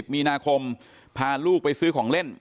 มีนาคมพาลูกไปซื้อของเล่น